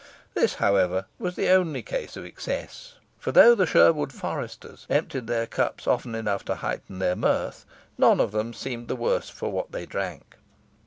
This, however, was the only case of excess; for though the Sherwood foresters emptied their cups often enough to heighten their mirth, none of them seemed the worse for what they drank.